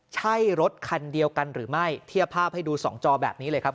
ใช่รถคันเดียวกันหรือไม่เทียบภาพให้ดูสองจอแบบนี้เลยครับ